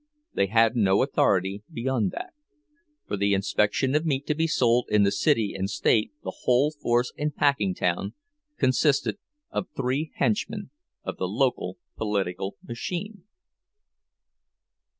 They had no authority beyond that; for the inspection of meat to be sold in the city and state the whole force in Packingtown consisted of three henchmen of the local political machine!